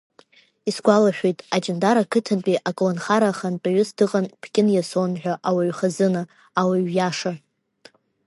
Исгәалашәоит, Аҷандара ақыҭантәи аколнхара ахантәаҩыс дыҟан Ԥкьын Иасон ҳәа ауаҩы хазына, ауаҩ иаша.